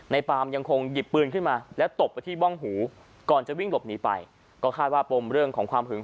ปามยังคงหยิบปืนขึ้นมาแล้วตบไปที่บ้องหูก่อนจะวิ่งหลบหนีไปก็คาดว่าปมเรื่องของความหึง